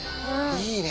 いいね。